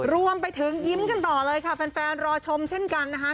รวมไปถึงยิ้มกันต่อเลยค่ะแฟนรอชมเช่นกันนะคะ